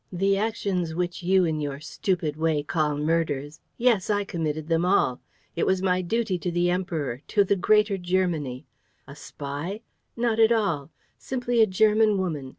The actions which you, in your stupid way, call murders, yes, I committed them all. It was my duty to the Emperor, to the greater Germany. ... A spy? Not at all. Simply a German woman.